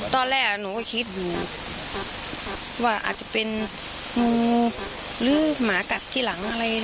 ตอนแรกหนูก็คิดอยู่นะว่าอาจจะเป็นงูหรือหมากัดที่หลังอะไร